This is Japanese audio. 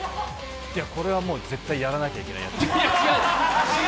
いや、これはもう絶対やらなきゃいけないやつ。